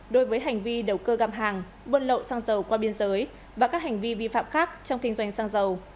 đối với hành vi đầu cơ gặm hàng bôn lộ xăng dầu qua biên giới và các hành vi vi phạm khác trong kinh doanh xăng dầu